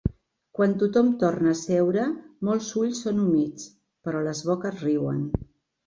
Quan tothom torna a seure molts ulls són humits, però les boques riuen.